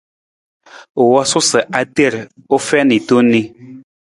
U wosuu sa a ter u fiin tong ni.